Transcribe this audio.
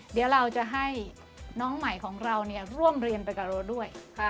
เดี๋ยวเราจะให้น้องใหม่ของเราร่วมเรียนไปกับเราด้วย